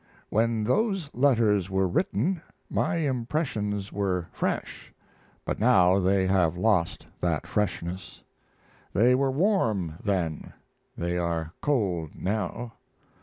When those letters were written my impressions were fresh, but now they have lost that freshness; they were warm then, they are cold now.